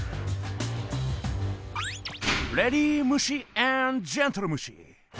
レディムシアーンドジェントルムシ！